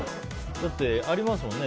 だって、ありますもんね。